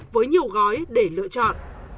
với nhiều gói để lựa chọn